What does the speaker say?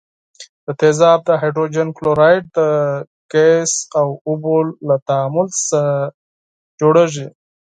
دا تیزاب د هایدروجن کلوراید د غاز او اوبو له تعامل څخه تولیدیږي.